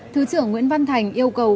thứ trưởng nguyễn văn thành yêu cầu